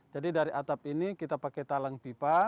jadi dari atap ini kita pakai talang pipa